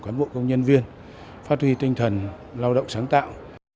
cán bộ công nhân viên phát huy tinh thần lao động sáng tạo